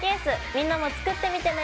みんなも作ってみてね！